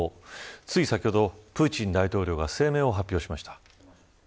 つい先ほど、プーチン大統領が声明を発表しました。